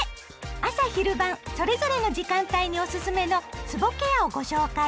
朝・昼・晩それぞれの時間帯におすすめのつぼケアをご紹介。